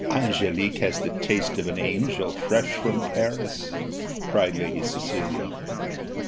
"Angelique has the taste of an angel fresh from Paris," cried Lady Cecilia.